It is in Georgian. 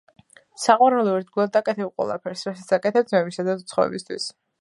საყვარელო, ერთგულად აკეთებ უველაფერს, რასაც აკეთებ ძმებისა და უცხოთათვის.